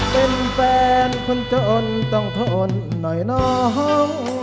เป็นแฟนคนจนต้องทนหน่อยน้อง